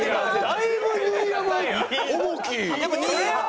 だいぶ新山重き。